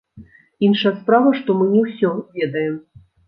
Іншая справа, што мы не ўсё ведаем.